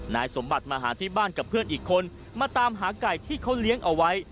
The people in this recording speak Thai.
นายสมบัติมาหาที่บ้านกับเพื่อนอีกคนมาตามหาไก่ที่เขาเลี้ยงเอาไว้